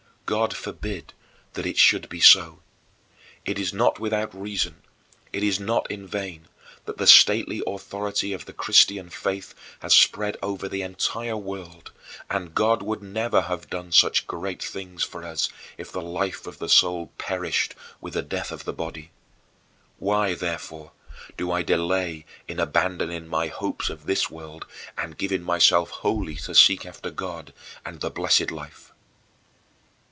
God forbid that it should be so. It is not without reason, it is not in vain, that the stately authority of the Christian faith has spread over the entire world, and God would never have done such great things for us if the life of the soul perished with the death of the body. Why, therefore, do I delay in abandoning my hopes of this world and giving myself wholly to seek after God and the blessed life?